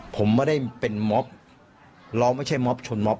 ผมไม่ได้เป็นม็อบเราไม่ใช่ม็อบชนม็อบ